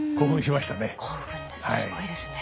興奮しましたね。